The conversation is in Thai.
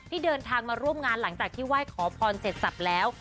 เดินทางมาร่วมงานหลังจากที่ไหว้ขอพรเสร็จสับแล้ว